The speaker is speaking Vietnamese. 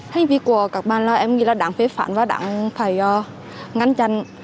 hành vi của các bạn em nghĩ là đáng phế phản và đáng phải ngăn chặn